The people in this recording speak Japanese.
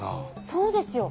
そうですよ。